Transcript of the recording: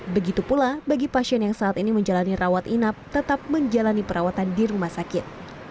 begitu pula bagi pasien yang saat ini menjalani rawat inap tetap menjalani perawatan di rumah sakit